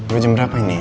udah jam berapa ini